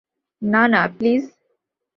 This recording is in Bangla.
না, না, প্লিজ।